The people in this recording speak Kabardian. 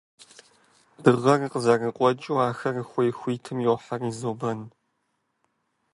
Дыгъэр къызэрыкъуэкӀыу, ахэр хуей хуитым йохьэри зобэн.